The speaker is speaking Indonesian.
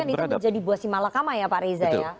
itu menjadi buah simalakama ya pak reza ya